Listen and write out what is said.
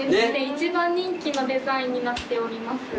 一番人気のデザインになっております。